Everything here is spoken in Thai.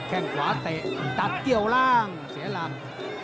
แค่งขวาเตะตัดเกี่ยวล่างเสียหลัก